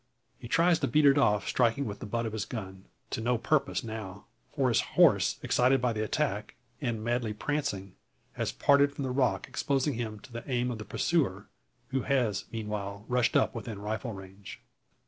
He tries to beat it off, striking with the butt of his gun. To no purpose now. For his horse, excited by the attack, and madly prancing, has parted from the rock, exposing him to the aim of the pursuer, who has, meanwhile, rushed up within rifle range.